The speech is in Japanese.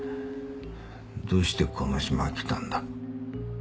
どうしてこの島来たんだ？